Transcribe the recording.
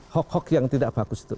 hoax hoax yang tidak bagus itu